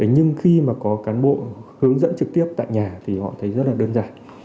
nhưng khi mà có cán bộ hướng dẫn trực tiếp tại nhà thì họ thấy rất là đơn giản